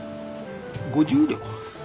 ５０両？